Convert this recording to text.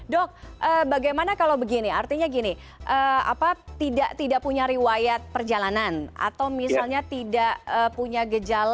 dok bagaimana kalau begini artinya gini tidak punya riwayat perjalanan atau misalnya tidak punya gejala